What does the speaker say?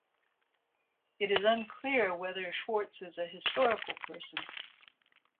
It is unclear whether Schwarz is a historical person.